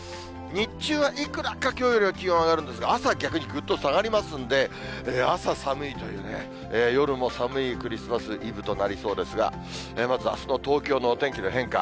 日中はいくらかきょうより気温上がるんですが、朝は逆にぐっと下がりますんで、朝寒いというね、夜も寒いクリスマスイブとなりそうですが、まずはあすの東京のお天気の変化。